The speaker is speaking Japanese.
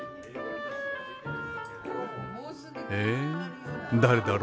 え誰だろ？